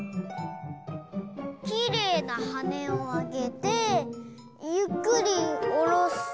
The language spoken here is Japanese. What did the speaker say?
きれいなはねをあげてゆっくりおろす。